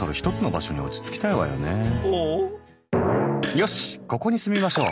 よしここに住みましょう！